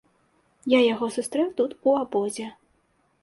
Я яго сустрэў тут у абозе.